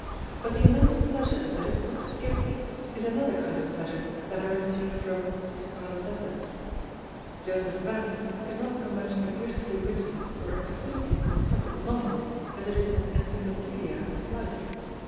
But the immense pleasure that his books give me is another kind of pleasure than I receive from The Scarlet Letter. Joseph Vance is not so much a beautifully written or exquisitely constructed novel as it is an encyclopædia of life.